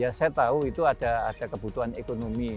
ya saya tahu itu ada kebutuhan ekonomi